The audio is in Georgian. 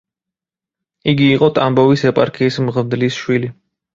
იგი იყო ტამბოვის ეპარქიის მღვდლის შვილი.